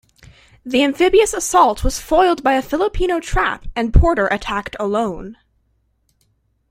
The amphibious assault was foiled by a Filipino trap, and Porter attacked alone.